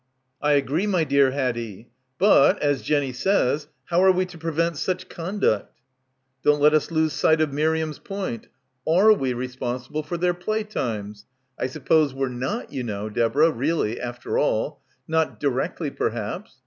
"I agree, my dear Haddie. But, as Jenny says, how are we to prevent such conduct?" "Don't let us lose sight of Miriam's point. Are we responsible for their play times? I sup pose we're not, you know, Deborah, really after all. Not directly, perhaps.